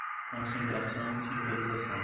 Concentração e centralização